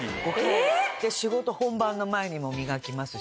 えっ！？で仕事本番の前にも磨きますし。